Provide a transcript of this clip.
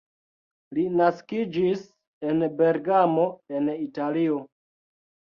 Li naskiĝis en Bergamo en Italio.